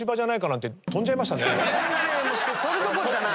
それどころじゃない。